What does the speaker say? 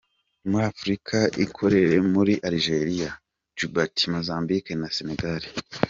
Muri Afurika ikorera muri Algeria, Djibouti, Mozambique na Senegal.